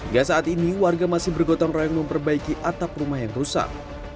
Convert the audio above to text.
hingga saat ini warga masih bergotong royong memperbaiki atap rumah yang rusak